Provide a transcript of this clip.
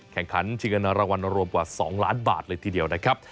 ชิงเงินรางวัลรวมกว่า๒ล้านบาทเลยทีเดียวนะครับ